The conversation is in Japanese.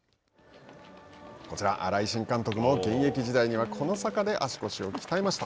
こちら、新井新監督も現役時代にはこの坂で足腰を鍛えました。